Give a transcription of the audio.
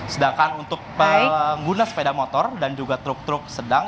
sedangkan untuk pengguna sepeda motor dan juga truk truk sedang